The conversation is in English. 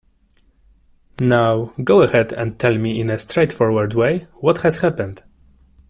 Now go ahead and tell me in a straightforward way what has happened.